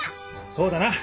そうだな！